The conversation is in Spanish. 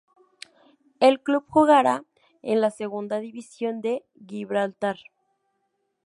El club jugará en la Segunda división de Gibraltar.